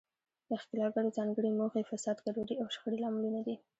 د ښکیلاکګرو ځانګړې موخې، فساد، ګډوډي او شخړې لاملونه دي.